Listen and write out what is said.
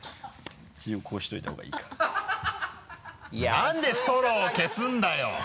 なんでストローを消すんだよ！